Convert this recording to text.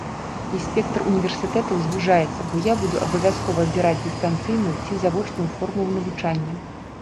І спектр універсітэтаў звужаецца, бо я буду абавязкова абіраць дыстанцыйную ці завочную форму навучання.